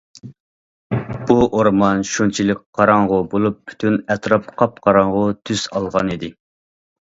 بۇ ئورمان شۇنچىلىك قاراڭغۇ بولۇپ پۈتۈن ئەتراپ قاپقاراڭغۇ تۈس ئالغانىدى.